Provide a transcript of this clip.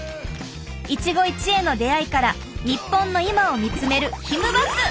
一期一会の出会いから日本の今を見つめるひむバス！